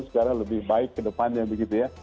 sekarang lebih baik ke depannya begitu ya